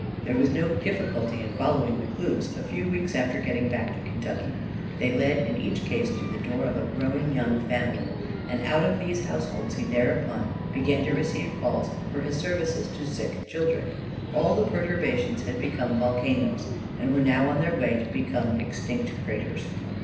There was no difficulty in following the clues a few weeks after getting back to Kentucky: they led in each case to the door of a growing young family: and out of these households he thereupon began to receive calls for his services to sick children: all the perturbations had become volcanoes, and were now on their way to become extinct craters.